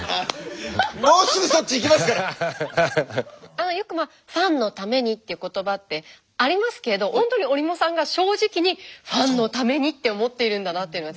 僕はよくファンのためにっていう言葉ってありますけどほんとに折茂さんが正直にファンのためにって思っているんだなっていうのは。